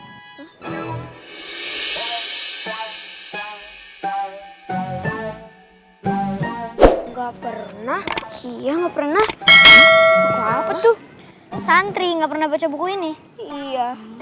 nggak pernah iya nggak pernah apa tuh santri nggak pernah baca buku ini iya